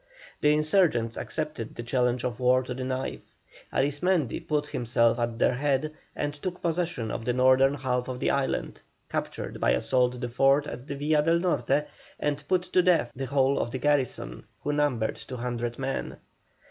The insurgents accepted the challenge of war to the knife. Arismendi put himself at their head, and took possession of the northern half of the island, captured by assault the fort at the Villa del Norte, and put to death the whole of the garrison, who numbered 200 men.